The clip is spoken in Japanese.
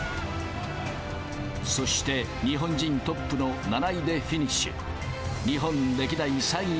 そして日本人トップの７位でフィニッシュ。